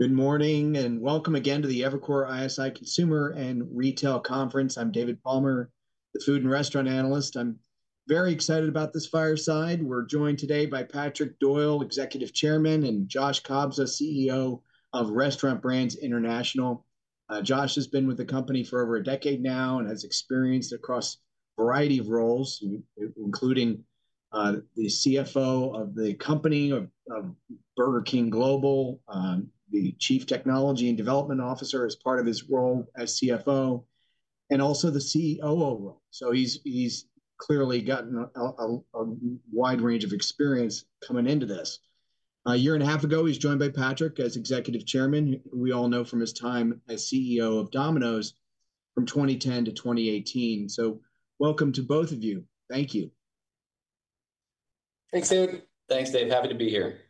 Good morning, and welcome again to the Evercore ISI Consumer and Retail Conference. I'm David Palmer, the food and restaurant analyst. I'm very excited about this fireside. We're joined today by Patrick Doyle, Executive Chairman, and Josh Kobza, CEO of Restaurant Brands International. Josh has been with the company for over a decade now, and has experience across a variety of roles, including the CFO of the company of Burger King Global, the Chief Technology and Development Officer as part of his role as CFO, and also the CEO role. So he's clearly gotten a wide range of experience coming into this. A year and a half ago, he was joined by Patrick as Executive Chairman, who we all know from his time as CEO of Domino's from 2010 to 2018. So welcome to both of you. Thank you. Thanks, Dave. Thanks, Dave. Happy to be here.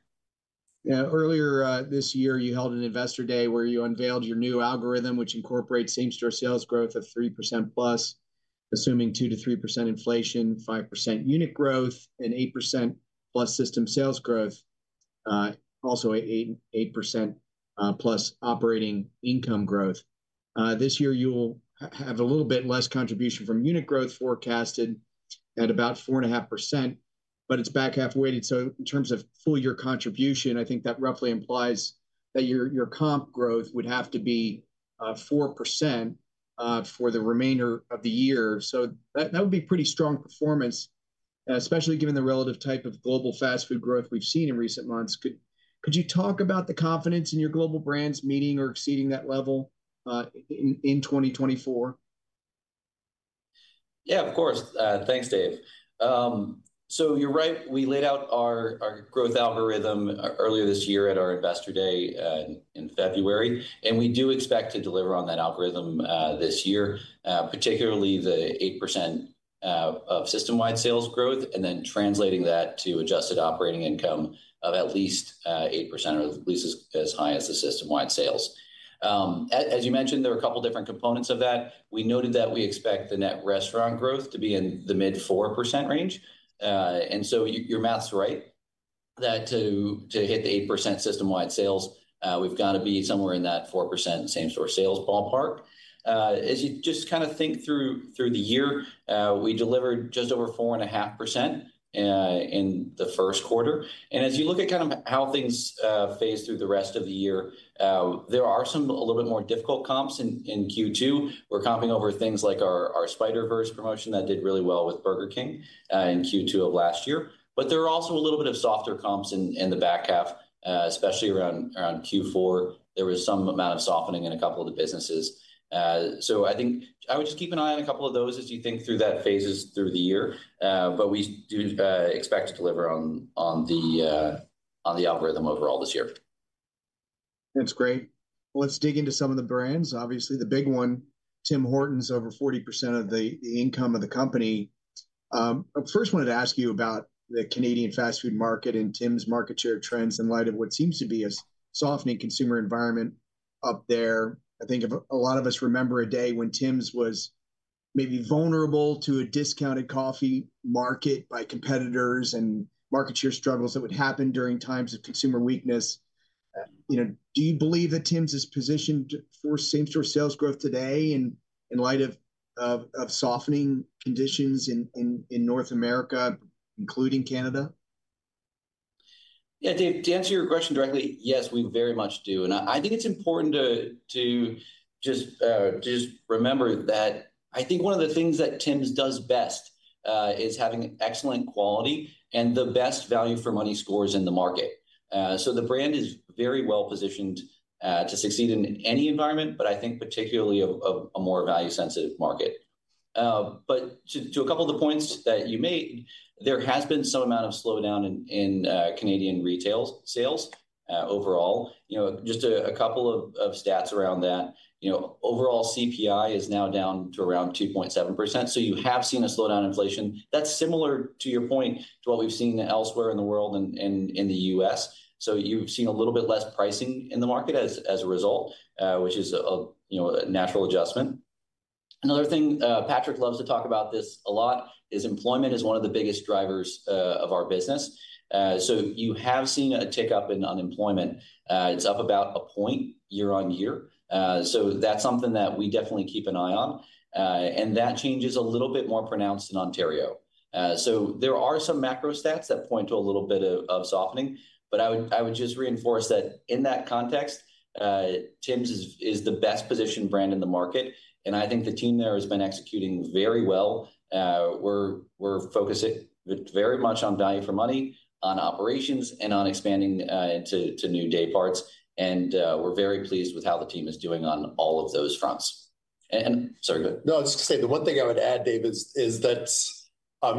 Yeah, earlier this year, you held an Investor Day where you unveiled your new algorithm, which incorporates same-store sales growth of 3%+, assuming 2%-3% inflation, 5% unit growth, and 8%+ system sales growth. Also, 8%+ operating income growth. This year you'll have a little bit less contribution from unit growth, forecasted at about 4.5%, but it's back-half weighted. So in terms of full year contribution, I think that roughly implies that your comp growth would have to be 4% for the remainder of the year. So that would be pretty strong performance, especially given the relative type of global fast food growth we've seen in recent months. Could you talk about the confidence in your global brands meeting or exceeding that level in 2024? Yeah, of course. Thanks, Dave. So you're right, we laid out our growth algorithm earlier this year at our Investor Day in February, and we do expect to deliver on that algorithm this year. Particularly the 8% of system-wide sales growth, and then translating that to adjusted operating income of at least 8% or at least as high as the system-wide sales. As you mentioned, there are a couple different components of that. We noted that we expect the net restaurant growth to be in the mid-4% range. And so your math's right, that to hit the 8% system-wide sales, we've got to be somewhere in that 4% same-store sales ballpark. As you just kind of think through the year, we delivered just over 4.5% in the first quarter. As you look at kind of how things phase through the rest of the year, there are some a little bit more difficult comps in Q2. We're comping over things like our Spider-Verse promotion that did really well with Burger King in Q2 of last year. There are also a little bit of softer comps in the back half, especially around Q4. There was some amount of softening in a couple of the businesses. So I think I would just keep an eye on a couple of those as you think through that phases through the year. But we do expect to deliver on the algorithm overall this year. That's great. Let's dig into some of the brands. Obviously, the big one, Tim Hortons, over 40% of the income of the company. I first wanted to ask you about the Canadian fast food market and Tims market share trends in light of what seems to be a softening consumer environment up there. I think a lot of us remember a day when Tims was maybe vulnerable to a discounted coffee market by competitors and market share struggles that would happen during times of consumer weakness. You know, do you believe that Tims is positioned for same-store sales growth today and in light of softening conditions in North America, including Canada? Yeah, Dave, to answer your question directly, yes, we very much do. I think it's important to just remember that I think one of the things that Tims does best is having excellent quality and the best value for money scores in the market. So the brand is very well positioned to succeed in any environment, but I think particularly a more value-sensitive market. But to a couple of the points that you made, there has been some amount of slowdown in Canadian retail sales overall. You know, just a couple of stats around that. You know, overall CPI is now down to around 2.7%, so you have seen a slowdown in inflation. That's similar, to your point, to what we've seen elsewhere in the world and in the U.S. So you've seen a little bit less pricing in the market as a result, which is a, you know, a natural adjustment. Another thing, Patrick loves to talk about this a lot, is employment is one of the biggest drivers of our business. So you have seen a tick-up in unemployment. It's up about a point year on year. So that's something that we definitely keep an eye on. And that change is a little bit more pronounced in Ontario. So there are some macro stats that point to a little bit of softening, but I would just reinforce that in that context, Tims is the best-positioned brand in the market, and I think the team there has been executing very well. We're focusing very much on value for money, on operations, and on expanding into new dayparts, and we're very pleased with how the team is doing on all of those fronts. Sorry, go ahead. No, I was just gonna say, the one thing I would add, Dave, is that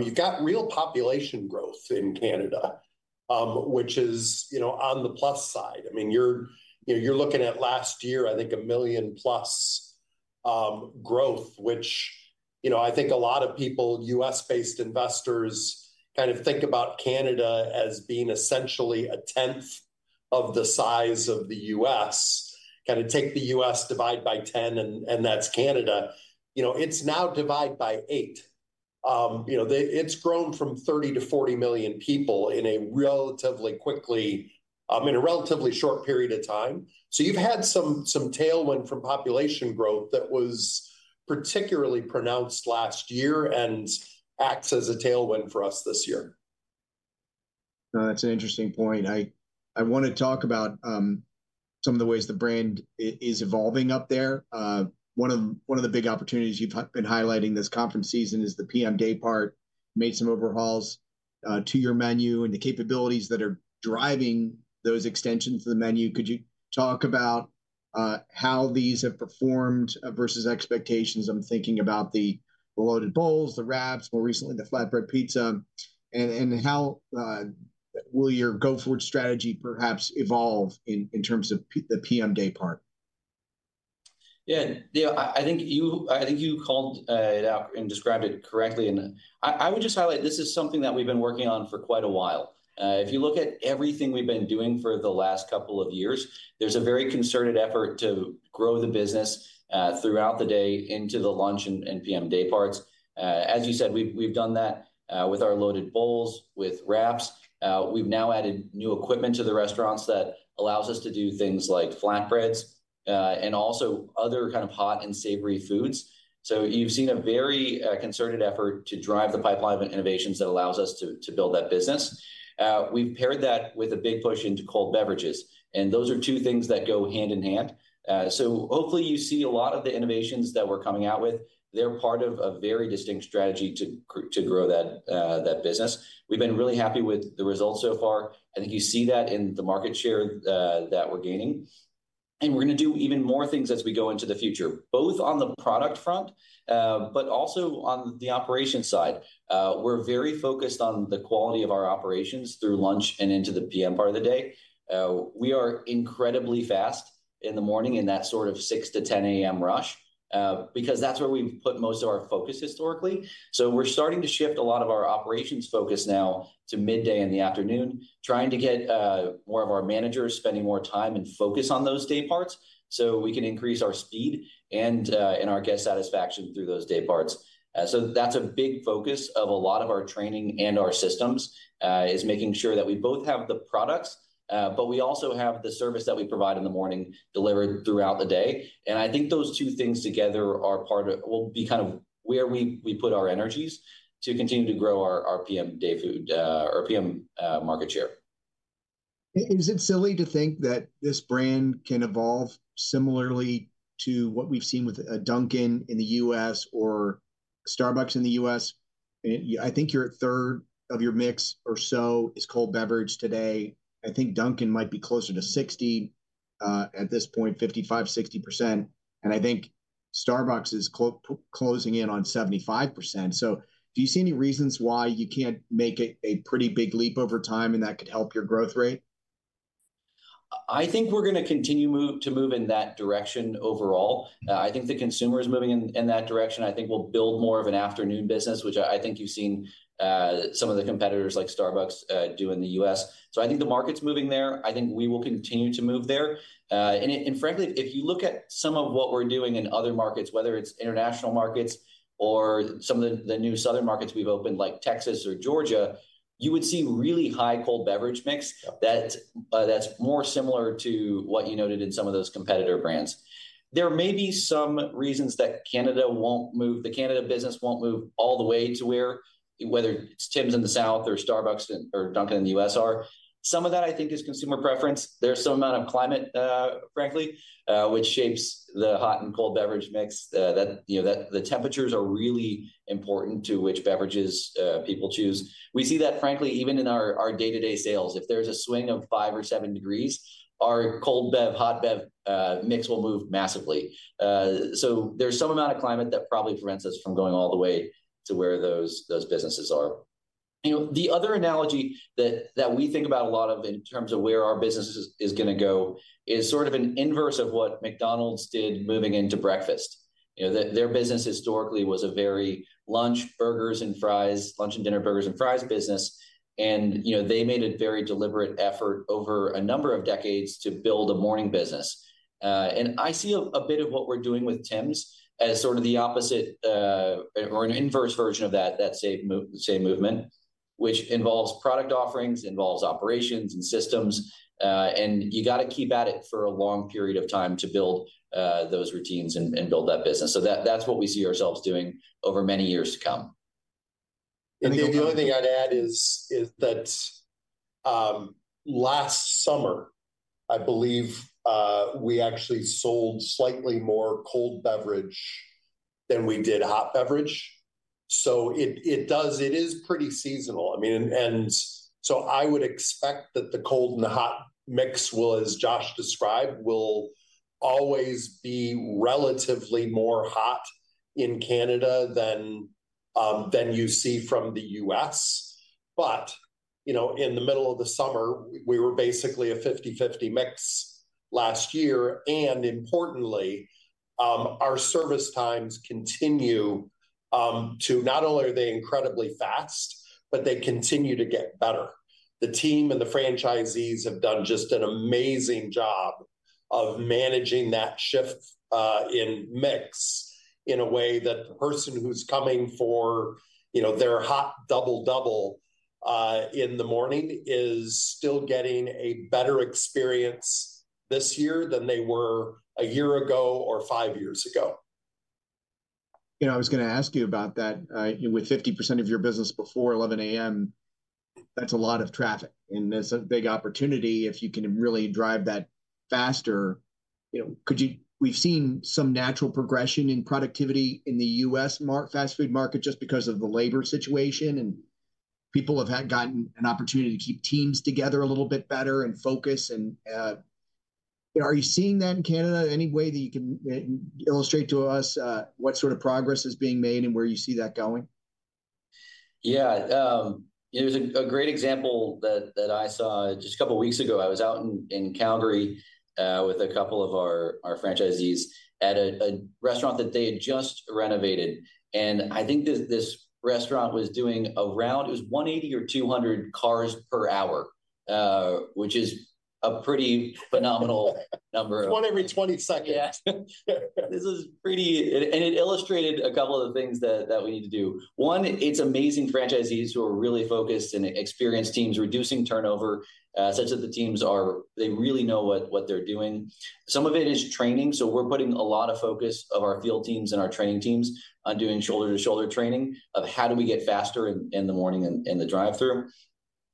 you've got real population growth in Canada, which is, you know, on the plus side. I mean, you're, you know, you're looking at last year, I think 1 million plus growth, which, you know, I think a lot of people, U.S.-based investors, kind of think about Canada as being essentially a tenth of the size of the U.S. Kind of take the U.S., divide by 10, and that's Canada. You know, it's now divide by 8. You know, it's grown from 30 to 40 million people in a relatively quickly, in a relatively short period of time. So you've had some tailwind from population growth that was particularly pronounced last year and acts as a tailwind for us this year. That's an interesting point. I wanna talk about some of the ways the brand is evolving up there. One of the big opportunities you've been highlighting this conference season is the PM daypart, made some overhauls to your menu, and the capabilities that are driving those extensions to the menu. Could you talk about how these have performed versus expectations? I'm thinking about the Loaded Bowls, the wraps, more recently, the Flatbread Pizza, and how will your go-forward strategy perhaps evolve in terms of the PM daypart? Yeah, yeah, I think you called it out and described it correctly, and I would just highlight this is something that we've been working on for quite a while. If you look at everything we've been doing for the last couple of years, there's a very concerted effort to grow the business throughout the day into the lunch and PM dayparts. As you said, we've done that with our Loaded Bowls, with wraps. We've now added new equipment to the restaurants that allows us to do things like flatbreads and also other kind of hot and savory foods. So you've seen a very concerted effort to drive the pipeline of innovations that allows us to build that business. We've paired that with a big push into cold beverages, and those are two things that go hand in hand. So hopefully you see a lot of the innovations that we're coming out with. They're part of a very distinct strategy to grow that business. We've been really happy with the results so far. I think you see that in the market share that we're gaining, and we're gonna do even more things as we go into the future, both on the product front, but also on the operations side. We're very focused on the quality of our operations through lunch and into the PM part of the day. We are incredibly fast in the morning in that sort of 6:00 A.M. to 10:00 A.M. rush, because that's where we've put most of our focus historically. So we're starting to shift a lot of our operations focus now to midday in the afternoon, trying to get more of our managers spending more time and focus on those dayparts, so we can increase our speed and our guest satisfaction through those dayparts. So that's a big focus of a lot of our training and our systems is making sure that we both have the products, but we also have the service that we provide in the morning delivered throughout the day. And I think those two things together will be kind of where we put our energies to continue to grow our PM daypart, our PM market share. Is it silly to think that this brand can evolve similarly to what we've seen with, Dunkin' in the U.S. or Starbucks in the U.S.? I think your third of your mix or so is cold beverage today. I think Dunkin' might be closer to 60, at this point, 55%-60%, and I think Starbucks is closing in on 75%. So do you see any reasons why you can't make it a pretty big leap over time, and that could help your growth rate? I think we're gonna continue to move in that direction overall. I think the consumer is moving in that direction. I think we'll build more of an afternoon business, which I think you've seen some of the competitors, like Starbucks, do in the U.S. So I think the market's moving there. I think we will continue to move there. And frankly, if you look at some of what we're doing in other markets, whether it's international markets or some of the new southern markets we've opened, like Texas or Georgia, you would see really high cold beverage mix- Yeah... that, that's more similar to what you noted in some of those competitor brands. There may be some reasons that Canada won't move, the Canada business won't move all the way to where, whether it's Tims in the South or Starbucks or Dunkin' in the U.S. are. Some of that, I think, is consumer preference. There's some amount of climate, frankly, which shapes the hot and cold beverage mix, that, you know, that the temperatures are really important to which beverages, people choose. We see that, frankly, even in our day-to-day sales. If there's a swing of five or seven degrees, our cold bev, hot bev, mix will move massively. So there's some amount of climate that probably prevents us from going all the way to where those businesses are. You know, the other analogy that we think about a lot of in terms of where our business is, is gonna go, is sort of an inverse of what McDonald's did moving into breakfast. You know, their business historically was a very lunch, burgers and fries, lunch and dinner, burgers and fries business, and, you know, they made a very deliberate effort over a number of decades to build a morning business. And I see a bit of what we're doing with Tims as sort of the opposite, or an inverse version of that, that same movement, which involves product offerings, involves operations and systems. And you gotta keep at it for a long period of time to build those routines and build that business. So that's what we see ourselves doing over many years to come. I think the only thing I'd add is that last summer, I believe, we actually sold slightly more cold beverage than we did hot beverage. So it does, it is pretty seasonal. I mean, and so I would expect that the cold and the hot mix will, as Josh described, will always be relatively more hot in Canada than than you see from the U.S. But, you know, in the middle of the summer, we were basically a 50/50 mix last year, and importantly, our service times continue to not only are they incredibly fast, but they continue to get better. The team and the franchisees have done just an amazing job-... of managing that shift, in mix in a way that the person who's coming for, you know, their hot Double Double, in the morning is still getting a better experience this year than they were a year ago or five years ago? You know, I was gonna ask you about that. You know, with 50% of your business before 11:00 A.M., that's a lot of traffic, and that's a big opportunity if you can really drive that faster. You know, we've seen some natural progression in productivity in the U.S. fast food market just because of the labor situation, and people have had, gotten an opportunity to keep teams together a little bit better and focus and... Are you seeing that in Canada? Any way that you can illustrate to us what sort of progress is being made, and where you see that going? Yeah, it was a great example that I saw just a couple weeks ago. I was out in Calgary with a couple of our franchisees at a restaurant that they had just renovated, and I think this restaurant was doing around... It was 180 or 200 cars per hour, which is a pretty phenomenal-... One every 20 seconds. Yeah. This is pretty. And it illustrated a couple of the things that we need to do. One, it's amazing franchisees who are really focused, and experienced teams reducing turnover such that the teams are, they really know what they're doing. Some of it is training, so we're putting a lot of focus of our field teams and our training teams on doing shoulder-to-shoulder training of how do we get faster in the morning in the drive-thru.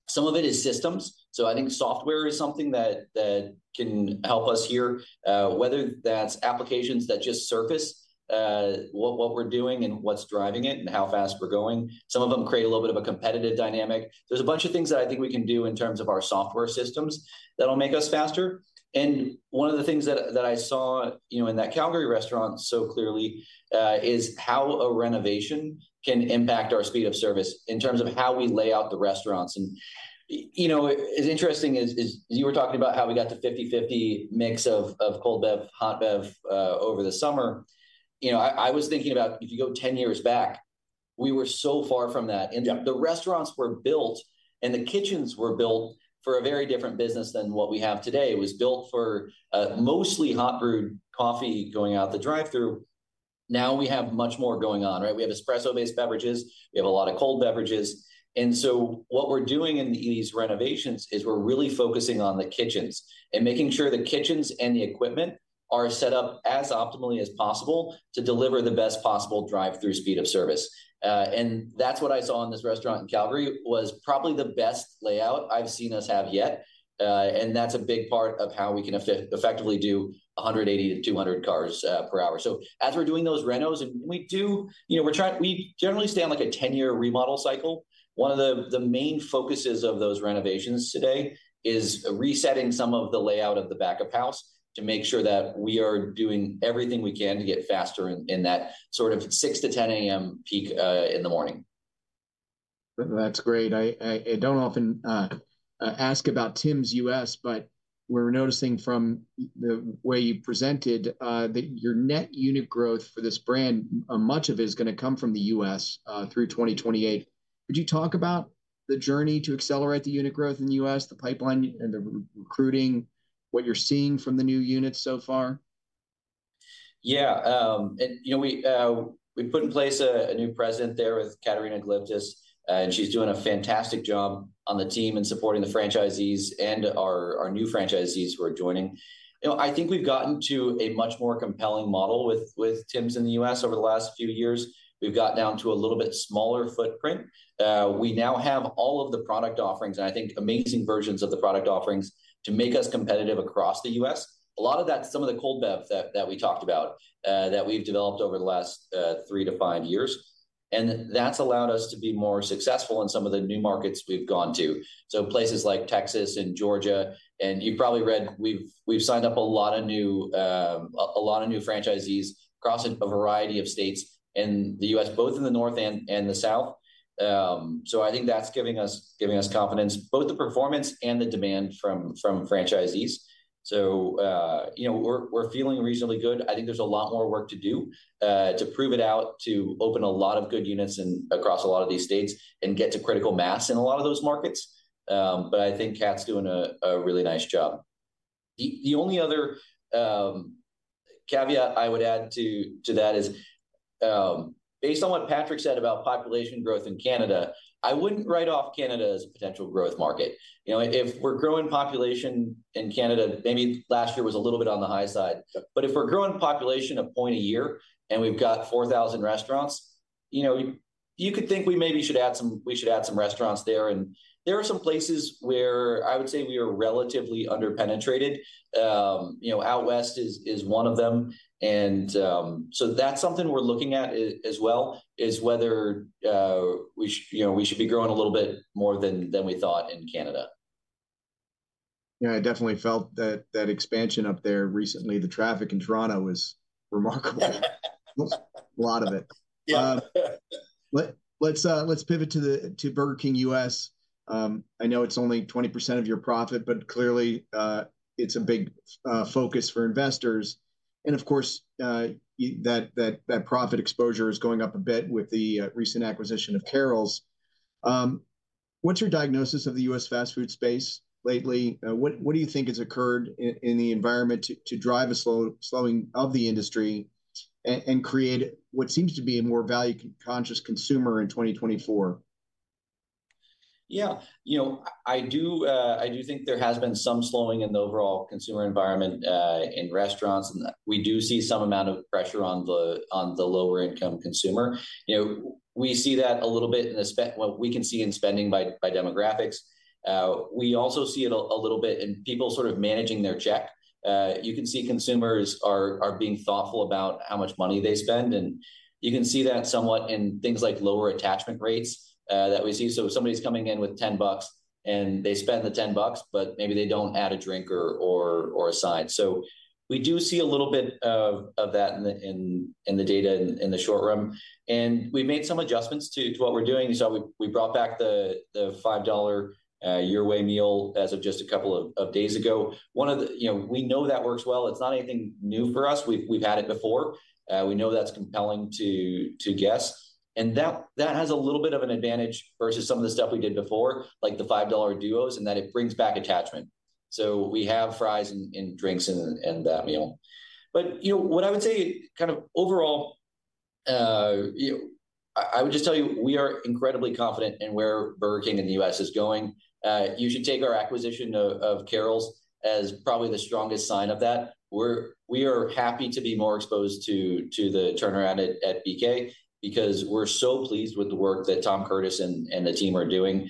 Some of it is systems, so I think software is something that can help us here. Whether that's applications that just surface what we're doing and what's driving it and how fast we're going. Some of them create a little bit of a competitive dynamic. There's a bunch of things that I think we can do in terms of our software systems that'll make us faster. And one of the things that I saw, you know, in that Calgary restaurant so clearly, is how a renovation can impact our speed of service in terms of how we lay out the restaurants. And you know, it's interesting is you were talking about how we got to 50/50 mix of cold bev, hot bev over the summer. You know, I was thinking about if you go 10 years back, we were so far from that. Yeah. The restaurants were built and the kitchens were built for a very different business than what we have today. It was built for mostly hot brewed coffee going out the drive-thru. Now we have much more going on, right? We have espresso-based beverages. We have a lot of cold beverages. And so what we're doing in these renovations is we're really focusing on the kitchens, and making sure the kitchens and the equipment are set up as optimally as possible to deliver the best possible drive-thru speed of service. And that's what I saw in this restaurant in Calgary, was probably the best layout I've seen us have yet. And that's a big part of how we can effectively do 180-200 cars per hour. So as we're doing those renos, and we do... You know, we're trying, we generally stay on, like, a 10-year remodel cycle. One of the main focuses of those renovations today is resetting some of the layout of the back-of-house to make sure that we are doing everything we can to get faster in that sort of 6:00 A.M. to 10:00 A.M. peak in the morning. That's great. I don't often ask about Tims U.S., but we're noticing from the way you presented that your net unit growth for this brand much of it is gonna come from the U.S. through 2028. Could you talk about the journey to accelerate the unit growth in the U.S., the pipeline and the re-recruiting, what you're seeing from the new units so far? Yeah, and you know, we put in place a new president there with Katerina Glyptis, and she's doing a fantastic job on the team and supporting the franchisees and our new franchisees who are joining. You know, I think we've gotten to a much more compelling model with Tims in the U.S. over the last few years. We've got down to a little bit smaller footprint. We now have all of the product offerings, and I think amazing versions of the product offerings, to make us competitive across the U.S. A lot of that, some of the cold bev that we talked about, that we've developed over the last three to five years, and that's allowed us to be more successful in some of the new markets we've gone to, so places like Texas and Georgia. You've probably read, we've signed up a lot of new, a lot of new franchisees across a variety of states in the U.S., both in the North and the South. So I think that's giving us confidence, both the performance and the demand from franchisees. So, you know, we're feeling reasonably good. I think there's a lot more work to do, to prove it out, to open a lot of good units across a lot of these states, and get to critical mass in a lot of those markets. But I think Kat's doing a really nice job. The only other caveat I would add to that is, based on what Patrick said about population growth in Canada, I wouldn't write off Canada as a potential growth market. You know, if we're growing population in Canada, maybe last year was a little bit on the high side- Yeah... but if we're growing population 1 point a year and we've got 4,000 restaurants, you know, you could think we maybe should add some- we should add some restaurants there. And there are some places where I would say we are relatively under-penetrated. You know, out west is one of them, and so that's something we're looking at as well, is whether you know, we should be growing a little bit more than we thought in Canada. Yeah, I definitely felt that, that expansion up there recently. The traffic in Toronto was remarkable. A lot of it. Yeah. Let's pivot to Burger King U.S. I know it's only 20% of your profit, but clearly, it's a big focus for investors. And of course, that profit exposure is going up a bit with the recent acquisition of Carrols. What's your diagnosis of the U.S. fast food space lately? What do you think has occurred in the environment to drive a slowing of the industry and create what seems to be a more value conscious consumer in 2024? Yeah, you know, I do think there has been some slowing in the overall consumer environment in restaurants, and we do see some amount of pressure on the lower income consumer. You know, we see that a little bit. Well, we can see in spending by demographics. We also see it a little bit in people sort of managing their check. You can see consumers are being thoughtful about how much money they spend, and you can see that somewhat in things like lower attachment rates that we see. So if somebody's coming in with $10, and they spend the $10, but maybe they don't add a drink or a side. So we do see a little bit of that in the data in the short term. And we've made some adjustments to what we're doing. So we brought back the $5 Your Way Meal as of just a couple of days ago. You know, we know that works well. It's not anything new for us. We've had it before. We know that's compelling to guests. And that has a little bit of an advantage versus some of the stuff we did before, like the $5 Duos, in that it brings back attachment. So we have fries and drinks in that meal. But, you know, what I would say kind of overall, I would just tell you, we are incredibly confident in where Burger King in the U.S. is going. You should take our acquisition of Carrols as probably the strongest sign of that. We are happy to be more exposed to the turnaround at BK, because we're so pleased with the work that Tom Curtis and the team are doing.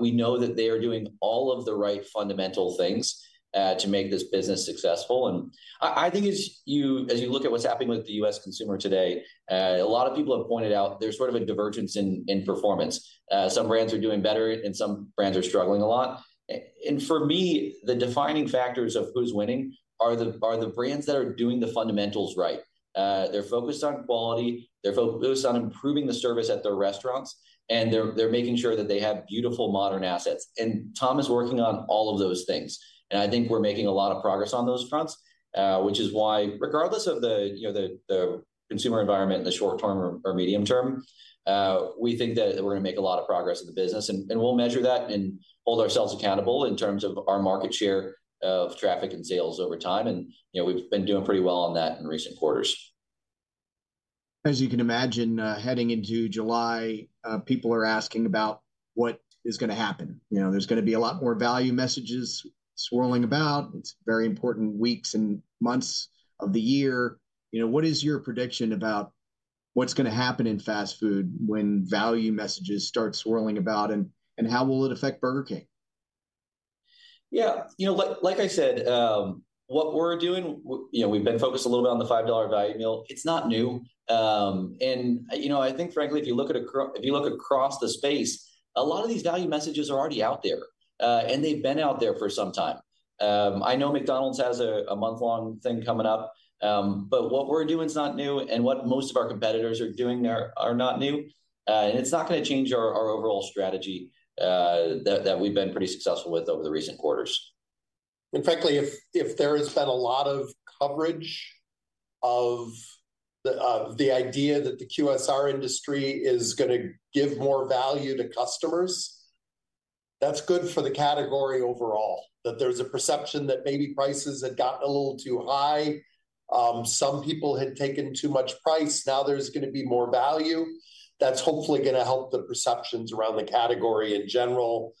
We know that they are doing all of the right fundamental things to make this business successful. And I think as you look at what's happening with the U.S. consumer today, a lot of people have pointed out there's sort of a divergence in performance. Some brands are doing better, and some brands are struggling a lot. And for me, the defining factors of who's winning are the brands that are doing the fundamentals right. They're focused on quality, they're focused on improving the service at their restaurants, and they're making sure that they have beautiful modern assets. Tom is working on all of those things, and I think we're making a lot of progress on those fronts. Which is why regardless of the, you know, the consumer environment in the short term or medium term, we think that we're gonna make a lot of progress in the business. And we'll measure that and hold ourselves accountable in terms of our market share of traffic and sales over time, and, you know, we've been doing pretty well on that in recent quarters. As you can imagine, heading into July, people are asking about what is gonna happen. You know, there's gonna be a lot more value messages swirling about. It's very important weeks and months of the year. You know, what is your prediction about what's gonna happen in fast food when value messages start swirling about, and how will it affect Burger King? Yeah, you know, like, like I said, what we're doing, you know, we've been focused a little bit on the $5 value meal. It's not new. And, you know, I think frankly, if you look if you look across the space, a lot of these value messages are already out there. And they've been out there for some time. I know McDonald's has a month-long thing coming up, but what we're doing is not new, and what most of our competitors are doing there are not new. And it's not gonna change our overall strategy, that we've been pretty successful with over the recent quarters. And frankly, if there has been a lot of coverage of the idea that the QSR industry is gonna give more value to customers, that's good for the category overall, that there's a perception that maybe prices had gotten a little too high. Some people had taken too much price, now there's gonna be more value. That's hopefully gonna help the perceptions around the category in general,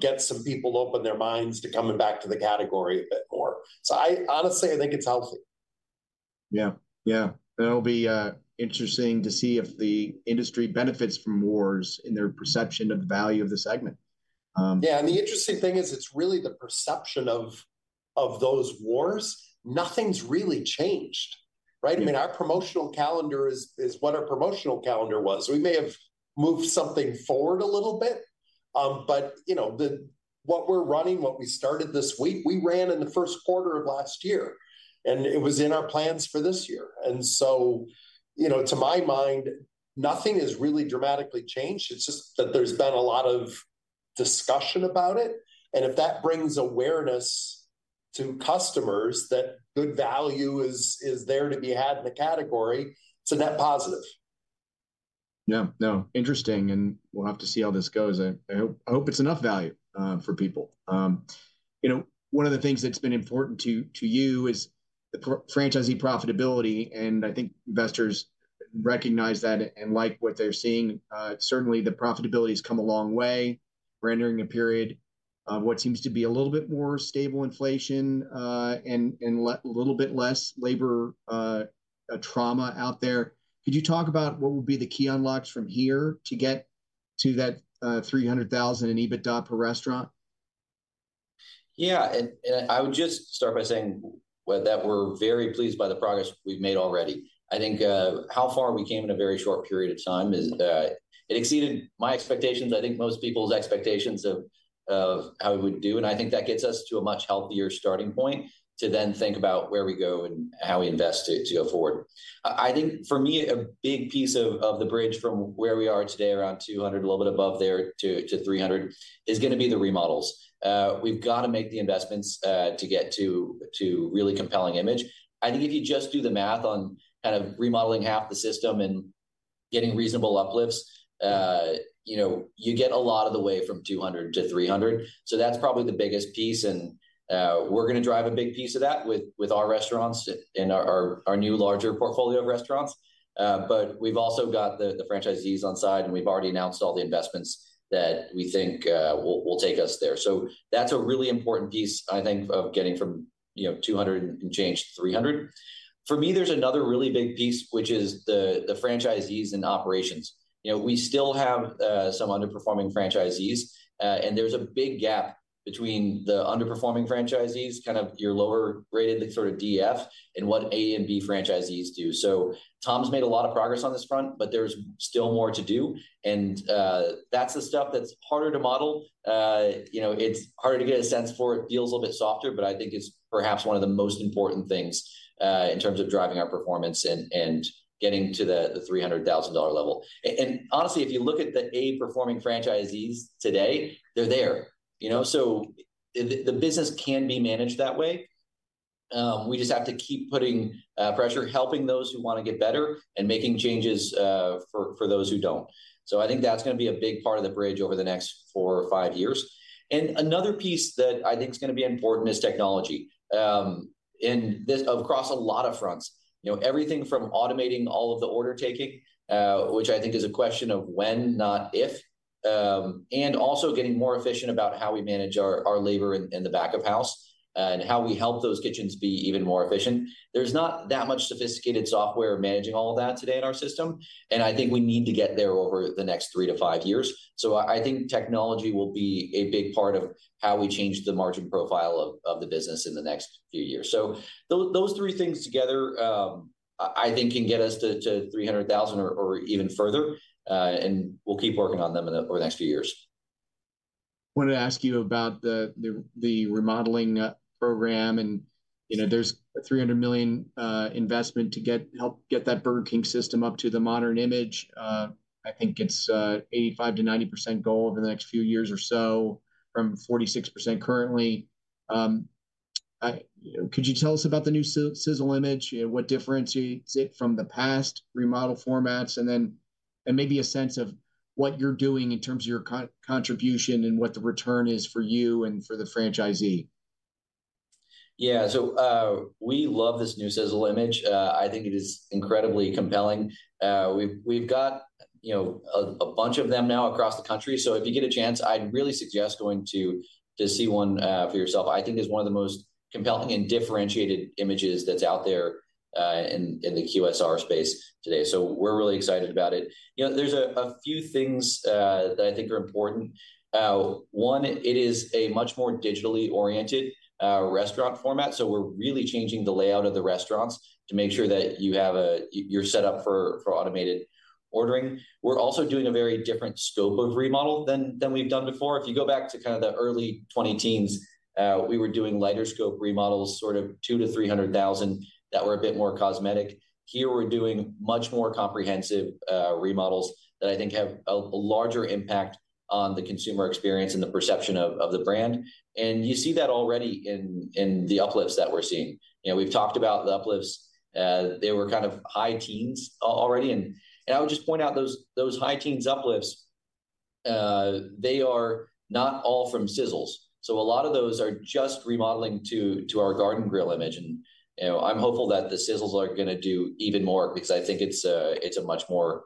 get some people to open their minds to coming back to the category a bit more. So I honestly, I think it's healthy. Yeah. Yeah. It'll be interesting to see if the industry benefits from wars in their perception of the value of the segment. Yeah, and the interesting thing is, it's really the perception of, of those wars. Nothing's really changed, right? Yeah. I mean, our promotional calendar is what our promotional calendar was. We may have moved something forward a little bit, but, you know, what we're running, what we started this week, we ran in the first quarter of last year, and it was in our plans for this year. And so, you know, to my mind, nothing has really dramatically changed. It's just that there's been a lot of discussion about it, and if that brings awareness to customers that good value is there to be had in the category, it's a net positive. Yeah, no, interesting, and we'll have to see how this goes. I hope it's enough value for people. You know, one of the things that's been important to you is the franchisee profitability, and I think investors recognize that and like what they're seeing. Certainly the profitability's come a long way, rendering a period of what seems to be a little bit more stable inflation, and a little bit less labor trauma out there. Could you talk about what would be the key unlocks from here to get to that 300,000 in EBITDA per restaurant? Yeah, and I would just start by saying, well, that we're very pleased by the progress we've made already. I think, how far we came in a very short period of time is, it exceeded my expectations, I think most people's expectations of how we would do, and I think that gets us to a much healthier starting point to then think about where we go and how we invest to go forward. I think for me, a big piece of the bridge from where we are today, around 200, a little bit above there, to 300-... is gonna be the remodels. We've gotta make the investments to get to really compelling image. I think if you just do the math on kind of remodeling half the system and getting reasonable uplifts, you know, you get a lot of the way from $200-$300. So that's probably the biggest piece, and we're gonna drive a big piece of that with our restaurants and our new larger portfolio of restaurants. But we've also got the franchisees on side, and we've already announced all the investments that we think will take us there. So that's a really important piece, I think, of getting from, you know, $200 and change to $300. For me, there's another really big piece, which is the franchisees and operations. You know, we still have some underperforming franchisees, and there's a big gap between the underperforming franchisees, kind of your lower-graded, the sort of D/F, and what A and B franchisees do. So Tom's made a lot of progress on this front, but there's still more to do, and that's the stuff that's harder to model. You know, it's harder to get a sense for, it feels a little bit softer, but I think it's perhaps one of the most important things in terms of driving our performance and getting to the $300,000 level. And honestly, if you look at the A-performing franchisees today, they're there, you know? So the business can be managed that way. We just have to keep putting pressure, helping those who wanna get better, and making changes for those who don't. So I think that's gonna be a big part of the bridge over the next four or five years. And another piece that I think is gonna be important is technology, and this across a lot of fronts. You know, everything from automating all of the order taking, which I think is a question of when, not if, and also getting more efficient about how we manage our labor in the back-of-house, and how we help those kitchens be even more efficient. There's not that much sophisticated software managing all of that today in our system, and I think we need to get there over the next three to five years. So I think technology will be a big part of how we change the margin profile of the business in the next few years. So those three things together, I think, can get us to 300,000 or even further, and we'll keep working on them over the next few years. I wanted to ask you about the remodeling program, and you know, there's a $300 million investment to help get that Burger King system up to the modern image. I think it's 85%-90% goal over the next few years or so, from 46% currently. You know, could you tell us about the new Sizzle image, what differentiates it from the past remodel formats, and then maybe a sense of what you're doing in terms of your contribution and what the return is for you and for the franchisee? Yeah, so, we love this new Sizzle image. I think it is incredibly compelling. We've got, you know, a bunch of them now across the country, so if you get a chance, I'd really suggest going to see one for yourself. I think it's one of the most compelling and differentiated images that's out there in the QSR space today, so we're really excited about it. You know, there's a few things that I think are important. One, it is a much more digitally oriented restaurant format, so we're really changing the layout of the restaurants to make sure that you're set up for automated ordering. We're also doing a very different scope of remodel than we've done before. If you go back to kind of the early 2010s, we were doing lighter scope remodels, sort of $200,000-$300,000, that were a bit more cosmetic. Here we're doing much more comprehensive remodels that I think have a larger impact on the consumer experience and the perception of the brand, and you see that already in the uplifts that we're seeing. You know, we've talked about the uplifts, they were kind of high teens already, and I would just point out those high teens uplifts, they are not all from Sizzles. So a lot of those are just remodeling to our Garden Grill image, and, you know, I'm hopeful that the Sizzles are gonna do even more because I think it's a much more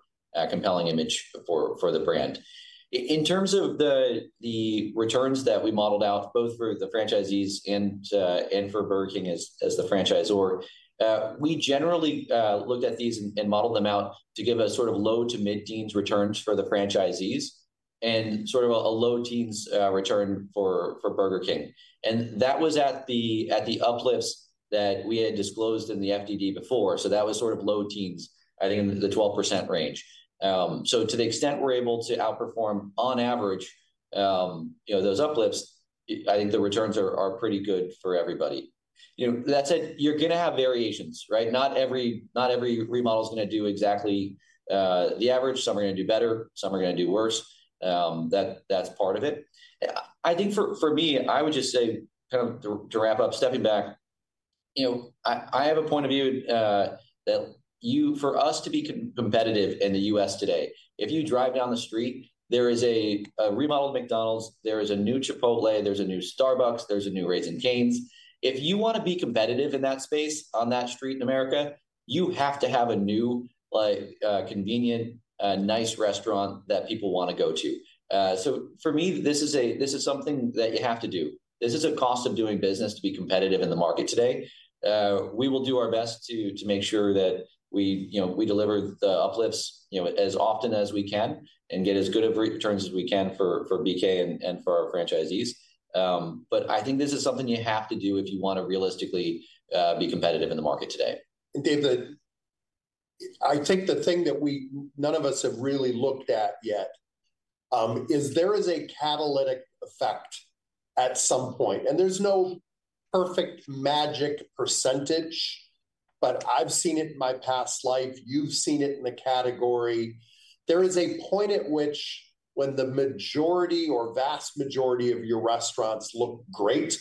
compelling image for the brand. In terms of the returns that we modeled out, both for the franchisees and for Burger King as the franchisor, we generally looked at these and modeled them out to give a sort of low to mid-teens returns for the franchisees, and sort of a low teens return for Burger King. That was at the uplifts that we had disclosed in the FDD before, so that was sort of low teens, I think in the 12% range. So to the extent we're able to outperform on average, you know, those uplifts, I think the returns are pretty good for everybody. You know, that said, you're gonna have variations, right? Not every remodel's gonna do exactly the average. Some are gonna do better, some are gonna do worse. That's part of it. I think for me, I would just say, kind of to wrap up, stepping back, you know, I have a point of view, that you... For us to be competitive in the U.S. today, if you drive down the street, there is a remodeled McDonald's, there is a new Chipotle, there's a new Starbucks, there's a new Raising Cane's. If you wanna be competitive in that space, on that street in America, you have to have a new, like, convenient, nice restaurant that people wanna go to. So for me, this is something that you have to do. This is a cost of doing business to be competitive in the market today. We will do our best to, to make sure that we, you know, we deliver the uplifts, you know, as often as we can, and get as good of returns as we can for, for BK and, and for our franchisees. But I think this is something you have to do if you wanna realistically, be competitive in the market today. David, I think the thing that we, none of us have really looked at yet, is there is a catalytic effect at some point, and there's no perfect magic percentage—but I've seen it in my past life, you've seen it in the category. There is a point at which when the majority or vast majority of your restaurants look great,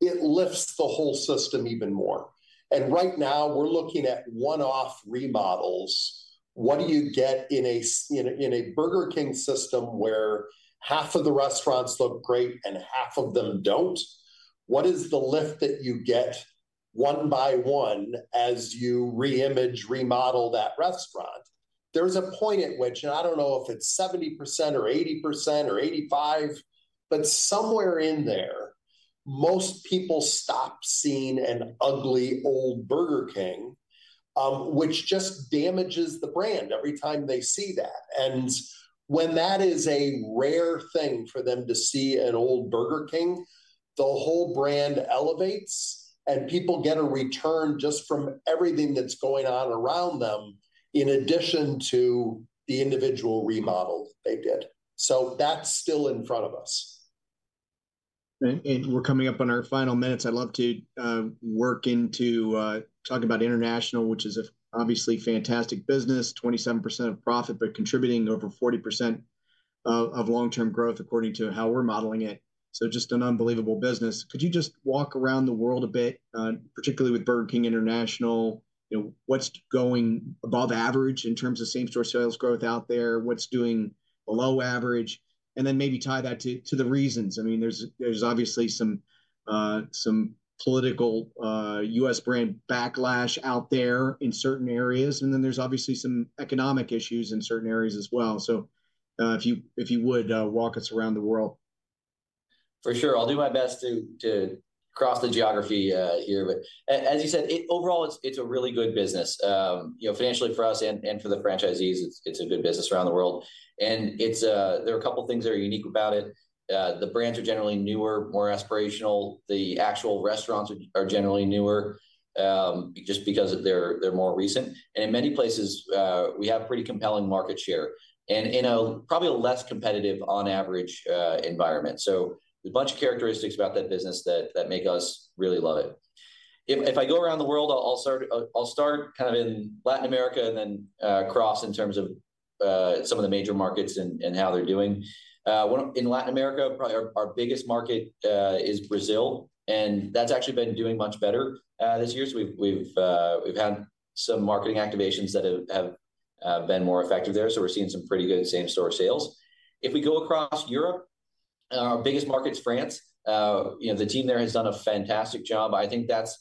it lifts the whole system even more, and right now we're looking at one-off remodels. What do you get in a Burger King system where half of the restaurants look great and half of them don't? What is the lift that you get one by one as you re-image, remodel that restaurant? There's a point at which, and I don't know if it's 70% or 80% or 85%, but somewhere in there, most people stop seeing an ugly, old Burger King, which just damages the brand every time they see that. And when that is a rare thing for them to see an old Burger King, the whole brand elevates, and people get a return just from everything that's going on around them, in addition to the individual remodels they did. So that's still in front of us. We're coming up on our final minutes. I'd love to work into talking about international, which is obviously a fantastic business, 27% of profit, but contributing over 40% of long-term growth according to how we're modeling it, so just an unbelievable business. Could you just walk around the world a bit, particularly with Burger King International, you know, what's going above average in terms of same-store sales growth out there? What's doing below average? And then maybe tie that to the reasons. I mean, there's obviously some political US brand backlash out there in certain areas, and then there's obviously some economic issues in certain areas as well. So, if you would, walk us around the world. For sure. I'll do my best to cross the geography here. But as you said, overall, it's a really good business. You know, financially for us and for the franchisees, it's a good business around the world. And it's. There are a couple things that are unique about it. The brands are generally newer, more aspirational. The actual restaurants are generally newer, just because they're more recent. And in many places, we have pretty compelling market share, and in probably a less competitive on average environment. So there's a bunch of characteristics about that business that make us really love it. If I go around the world, I'll start kind of in Latin America and then cross in terms of some of the major markets and how they're doing. In Latin America, probably our biggest market is Brazil, and that's actually been doing much better this year. So we've had some marketing activations that have been more effective there, so we're seeing some pretty good same-store sales. If we go across Europe, our biggest market's France. You know, the team there has done a fantastic job. I think that's,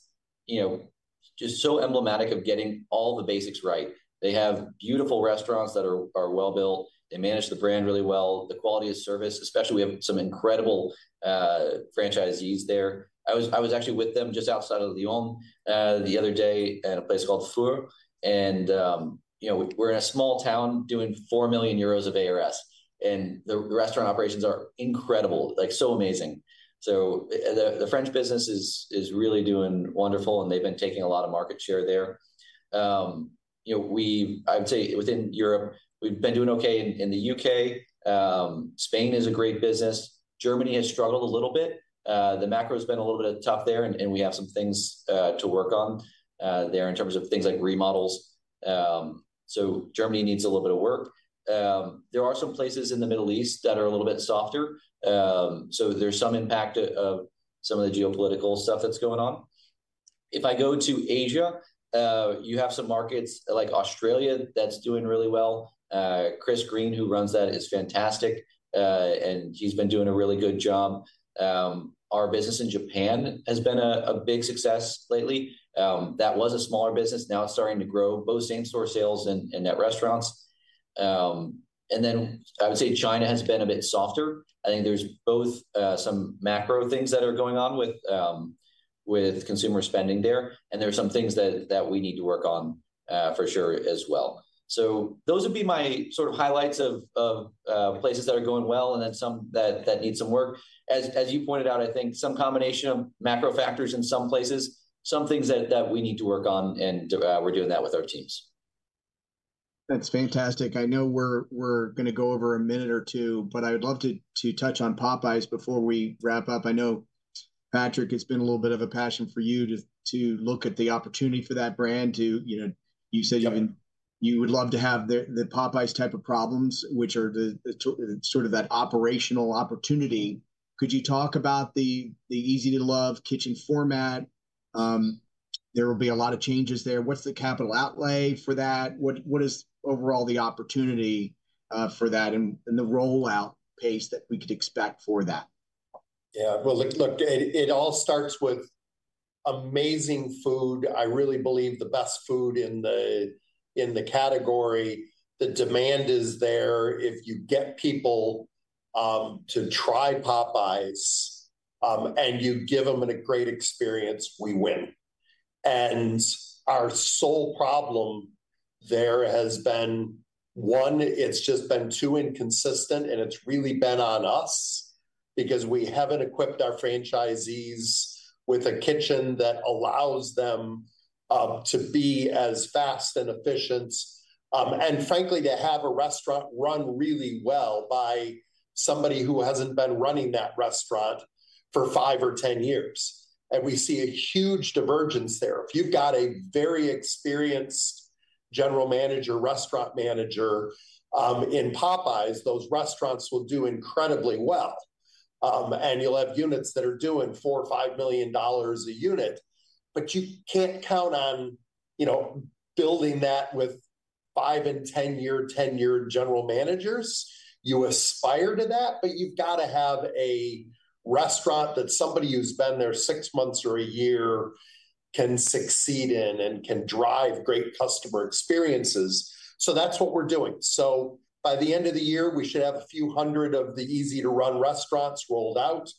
you know, just so emblematic of getting all the basics right. They have beautiful restaurants that are well-built. They manage the brand really well. The quality of service, especially we have some incredible franchisees there. I was actually with them just outside of Lyon, the other day at a place called Feurs, and, you know, we're in a small town doing 4 million euros of ARS, and the restaurant operations are incredible, like, so amazing. So, the French business is really doing wonderful, and they've been taking a lot of market share there. You know, I would say within Europe, we've been doing okay in the U.K. Spain is a great business. Germany has struggled a little bit. The macro's been a little bit tough there, and we have some things to work on there in terms of things like remodels. So Germany needs a little bit of work. There are some places in the Middle East that are a little bit softer. So there's some impact of some of the geopolitical stuff that's going on. If I go to Asia, you have some markets like Australia that's doing really well. Chris Green, who runs that, is fantastic, and he's been doing a really good job. Our business in Japan has been a big success lately. That was a smaller business, now it's starting to grow, both same-store sales and net restaurants. And then I would say China has been a bit softer. I think there's both some macro things that are going on with with consumer spending there, and there are some things that we need to work on for sure as well. So those would be my sort of highlights of places that are going well, and then some that need some work. As you pointed out, I think some combination of macro factors in some places, some things that we need to work on, and we're doing that with our teams. That's fantastic. I know we're gonna go over a minute or two, but I would love to touch on Popeyes before we wrap up. I know, Patrick, it's been a little bit of a passion for you to look at the opportunity for that brand. You know, you said, I mean, you would love to have the Popeyes type of problems, which are sort of that operational opportunity. Could you talk about the Easy to Love kitchen format? There will be a lot of changes there. What's the capital outlay for that? What is overall the opportunity for that, and the rollout pace that we could expect for that? Yeah. Well, look, it all starts with amazing food, I really believe the best food in the category. The demand is there. If you get people to try Popeyes and you give them a great experience, we win. And our sole problem there has been, one, it's just been too inconsistent, and it's really been on us, because we haven't equipped our franchisees with a kitchen that allows them to be as fast and efficient and frankly, to have a restaurant run really well by somebody who hasn't been running that restaurant for five or 10 years, and we see a huge divergence there. If you've got a very experienced general manager, restaurant manager in Popeyes, those restaurants will do incredibly well. And you'll have units that are doing $4 million or $5 million a unit. But you can't count on, you know, building that with 5-and-10-year tenure general managers. You aspire to that, but you've gotta have a restaurant that somebody who's been there six months or a year can succeed in and can drive great customer experiences. So that's what we're doing. So by the end of the year, we should have a few hundred of the Easy to Run restaurants rolled out.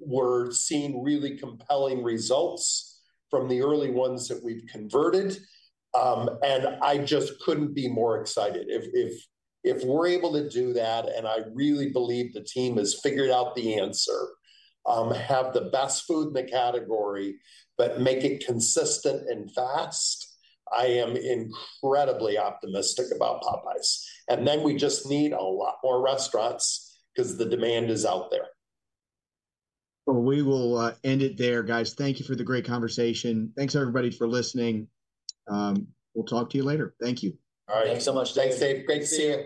We're seeing really compelling results from the early ones that we've converted. And I just couldn't be more excited. If, if, if we're able to do that, and I really believe the team has figured out the answer, have the best food in the category, but make it consistent and fast, I am incredibly optimistic about Popeyes. And then we just need a lot more restaurants, 'cause the demand is out there. Well, we will end it there, guys. Thank you for the great conversation. Thanks, everybody, for listening. We'll talk to you later. Thank you. All right. Thanks so much. Thanks, Dave. Great to see you.